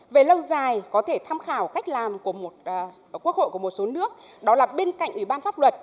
về lâu dài có thể tham khảo cách làm của một quốc hội của một số nước đó là bên cạnh ủy ban pháp luật